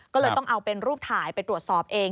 ก็เลยต้องเอาเป็นรูปถ่ายไปตรวจสอบเอง